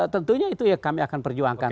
tentunya itu yang kami akan perjuangkan